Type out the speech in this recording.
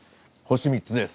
星３つです。